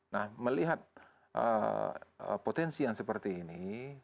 nah melihat potensi yang seperti ini